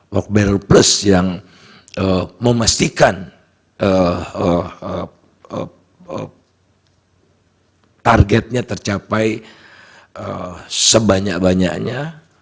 work barrel plus yang memastikan targetnya tercapai sebanyak banyaknya